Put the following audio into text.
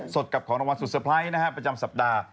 สดกับของรางวัลสุดเซอร์ไพรส์ประจำสัปดาห์